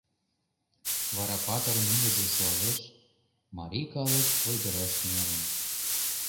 Вара патырын ӱмыржӧ шуалеш, марий калык ойгыраш тӱҥалын...